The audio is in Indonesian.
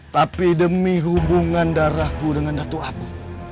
tapi demi hubungan darahku dengan datu abu